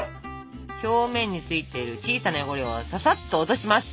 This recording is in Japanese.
表面についてる小さな汚れをささっと落とします。